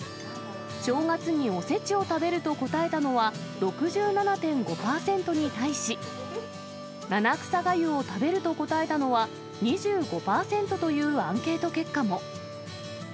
正月におせちを食べると答えたのは６７．５％に対し、七草がゆを食べると答えたのは２５％というアンケート結果も。